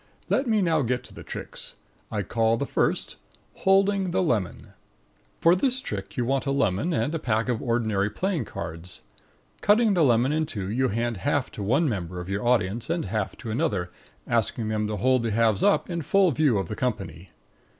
Let me now get to the tricks. I call the first HOLDING THE LEMON For this trick you want a lemon and a pack of ordinary playing cards. Cutting the lemon in two, you hand half to one member of your audience and half to another, asking them to hold the halves up in full view of the company.